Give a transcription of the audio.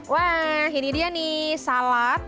wah ini dia nih salad